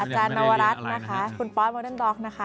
อาจารย์นวรัสคุณปอสโมเด็นดรอก